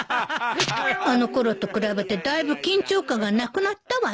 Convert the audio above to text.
あの頃と比べてだいぶ緊張感がなくなったわね